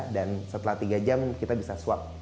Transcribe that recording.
dan setelah tiga jam kita bisa swap